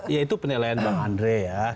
ya itu penilaian bang andre ya